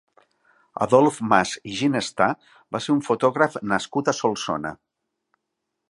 Adolf Mas i Ginestà va ser un fotògraf nascut a Solsona.